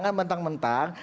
nah ini menang menang